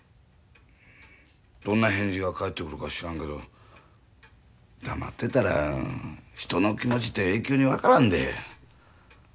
どんな返事が返ってくるか知らんけど黙ってたら人の気持ちて永久に分からんで。